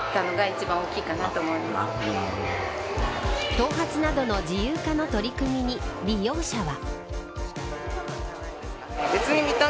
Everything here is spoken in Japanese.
頭髪などの自由化の取り組みに利用者は。